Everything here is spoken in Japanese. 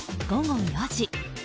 午後４時。